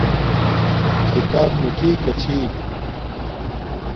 کھیتاپ میٹھی کا چھی